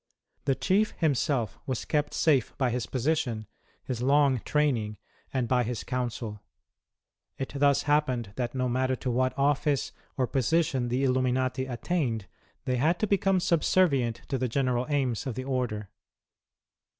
The Chief himself was kept safe by his position, his long training, and by his council. It thus happened that no matter to what office or position the Illuminati attained, they had to become subservient to the general aims of the Order.